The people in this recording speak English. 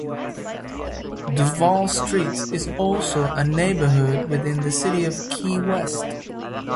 Duval Street is also a neighborhood within the City of Key West.